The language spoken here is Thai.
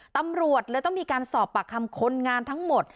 ตำรวจเลยต้องมีการสอบปากคำคนงานทั้งหมด